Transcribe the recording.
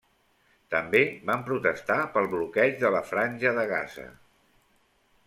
També van protestar pel bloqueig de la Franja de Gaza.